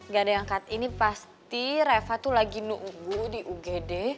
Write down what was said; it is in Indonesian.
gak ada yang cut ini pasti reva tuh lagi nunggu di ugd